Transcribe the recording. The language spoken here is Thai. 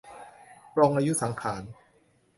ปลงอายุสังขาร